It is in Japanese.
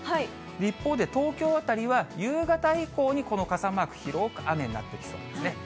一方で東京辺りは夕方以降にこの傘マーク、広く雨になってきそうですね。